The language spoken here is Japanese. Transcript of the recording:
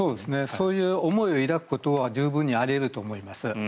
そういう思いを抱くことは十分にあり得ると思います。